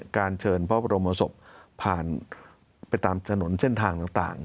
เชิญพระบรมศพผ่านไปตามถนนเส้นทางต่าง